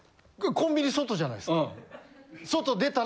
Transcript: コンビニ外じゃないですか。